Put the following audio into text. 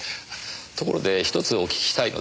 ところで１つお聞きしたいのですが。